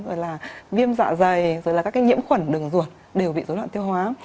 rồi là viêm dạ dày rồi là các cái nhiễm khuẩn đường ruột đều bị dối loạn tiêu hóa